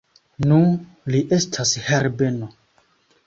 Nu, li estas Herbeno!